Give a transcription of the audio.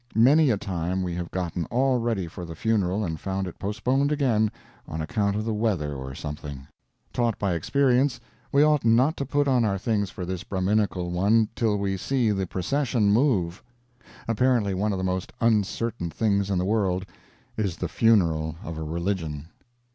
Many a time we have gotten all ready for the funeral and found it postponed again, on account of the weather or something. Taught by experience, we ought not to put on our things for this Brahminical one till we see the procession move. Apparently one of the most uncertain things in the world is the funeral of a religion.